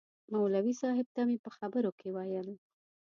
مولوي صاحب ته مې په خبرو کې ویل.